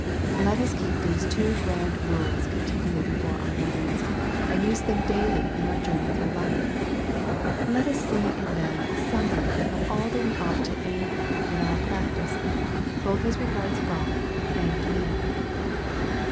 Let us keep these two grand rules continually hefore our minds, and use them daily in our journey through life. Let us see in them a summary of all that we ought to aim at in our practice, both as regards God and man.